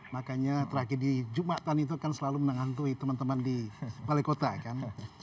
makanya tragedi jumatan itu kan selalu menahantui teman teman di balai kota kan